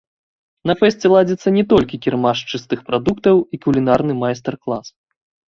На фэсце ладзіцца не толькі кірмаш чыстых прадуктаў і кулінарны майстар-клас.